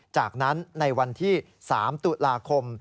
จากนั้นในวันที่๓ตุลาคม